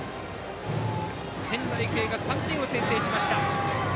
仙台育英が３点を先制しました。